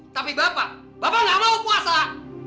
tapi bapak bapak nggak mau puasa